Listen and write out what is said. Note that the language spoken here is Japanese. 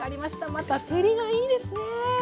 また照りがいいですね。